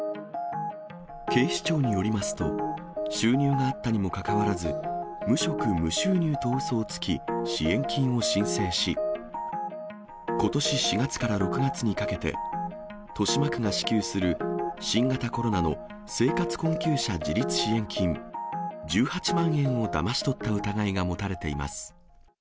警視庁によりますと、収入があったにもかかわらず、無職・無収入とうそをつき、支援金を申請し、ことし４月から６月にかけて、豊島区が支給する新型コロナの生活困窮者自立支援金１８万円をだまし取った疑いが持たれています。